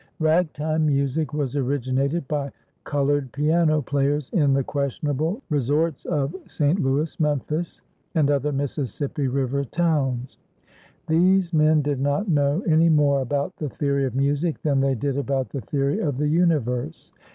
Ragtime music was originated by colored piano players in the questionable resorts of St. Louis, Memphis, and other Mississippi River towns. These men did not know any more about the theory of music than they did about the theory of the universe.